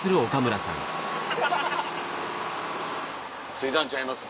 着いたんちゃいます？